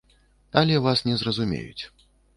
Але вас не зразумеюць.